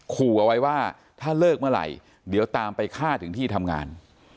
ขู่เอาไว้ว่าถ้าเลิกเมื่อไหร่เดี๋ยวตามไปฆ่าถึงที่ทำงาน